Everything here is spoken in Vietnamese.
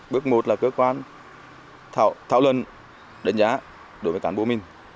bước một là cơ quan thảo luận đánh giá đối với cán bộ mình